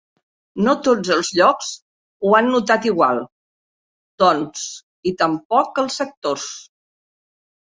No tots els llocs ho han notat igual, doncs, i tampoc els sectors.